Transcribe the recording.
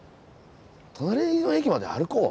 隣の駅まで歩こう。